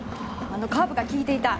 カーブが利いていたと。